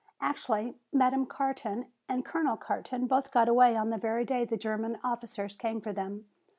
Actually Madame Carton and Colonel Carton both got away on the very day the German officers came for them.